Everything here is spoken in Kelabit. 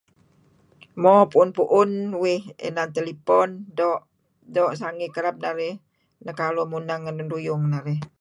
Mo, pu'un-pu-un uih inan talepon doo'... doo' sangey. Kereb narih nekaruh muneng ngen lun ruyung narih.